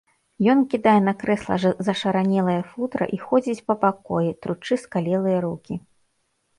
Ён кідае на крэсла зашаранелае футра і ходзіць па пакоі, тручы скалелыя рукі.